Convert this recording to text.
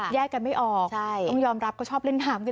แยกกันไม่ออกต้องยอมรับเขาชอบเล่นน้ำกันจริง